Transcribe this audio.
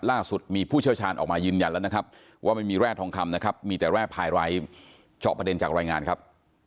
ล่าสุดมีผู้เชี่ยวชาญออกมายืนยันแล้วนะครับว่าไม่มีแร่ทองคำนะครับมีแต่แร่พายไร้เจาะประเด็นจากรายงานครับ